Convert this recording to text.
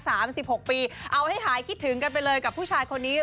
สิบหกปีเอาให้หายคิดถึงกันไปเลยกับผู้ชายคนนี้